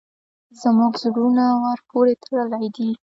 زموږ زړونه ورپورې تړلي دي.